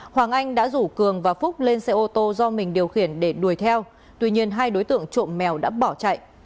hoàng anh đã rủ cường và phúc lên xe ô tô do mình điều khiển để đuổi theo tuy nhiên hai đối tượng trộm mèo đã bỏ chạy